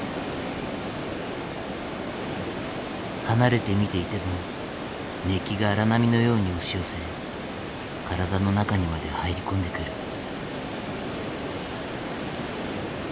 離れて見ていても熱気が荒波のように押し寄せ体の中にまで入り込んでくる。